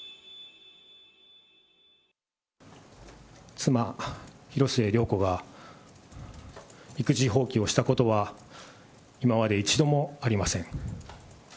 妻、広末涼子が、育児放棄をしたことは、今まで一度もありません。